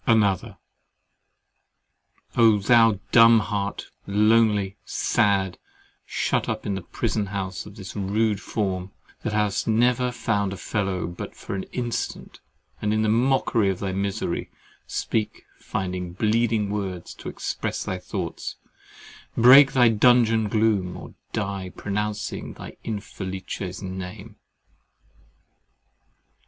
ANOTHER Oh! thou dumb heart, lonely, sad, shut up in the prison house of this rude form, that hast never found a fellow but for an instant, and in very mockery of thy misery, speak, find bleeding words to express thy thoughts, break thy dungeon gloom, or die pronouncing thy Infelice's name!